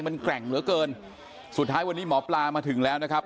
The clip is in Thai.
มันแกร่งเหลือเกินสุดท้ายวันนี้หมอปลามาถึงแล้วนะครับ